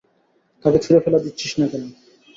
তাকে ছুড়ে ফেলে দিচ্ছিস না কেন?